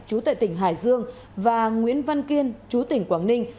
trú tại tỉnh hải dương và nguyễn văn kiên trú tỉnh quảng ninh